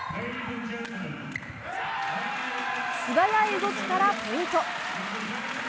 素早い動きからポイント。